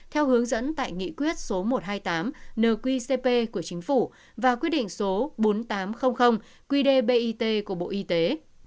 theo hướng dẫn tại nghị quyết số một trăm hai mươi tám nqcp của chính phủ và quyết định số bốn nghìn tám trăm linh qdbit của bộ y tế